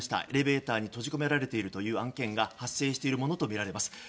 エレベーターに閉じ込められたという案件が発生しているものとみられます。